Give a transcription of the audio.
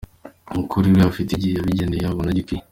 Kuri we afite igihe yabigeneye abona gikwiriye.